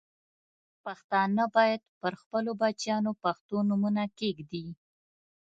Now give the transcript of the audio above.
پښتانه باید پر خپلو بچیانو پښتو نومونه کښېږدي.